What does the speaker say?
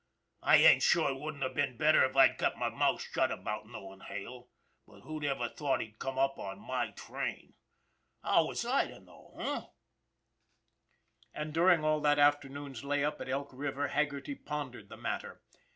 I ain't sure it wouldn't have been better if I'd kept my mouth shut about knowin' Hale, but who'd ever thought he'd come up on my train! How was I to know, h'm? " And during all that afternoon's lay up at Elk River, Haggerty pondered the matter.